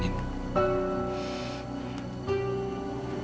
nenek memang keterlaluan